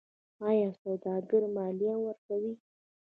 آیا سوداګر مالیه ورکوي؟